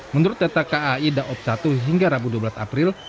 menurut data kai daob satu hingga rabu dua belas april